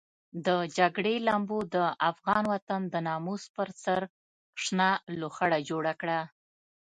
د جګړې لمبو د افغان وطن د ناموس پر سر شنه لوخړه جوړه کړه.